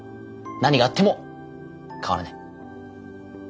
何があっても変わらない。